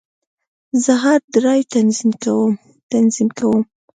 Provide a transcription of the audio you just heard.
زه هارد ډرایو تنظیم کوم.